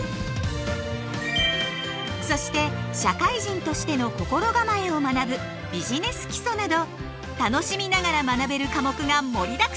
そして社会人としての心構えを学ぶ「ビジネス基礎」など楽しみながら学べる科目が盛りだくさんです！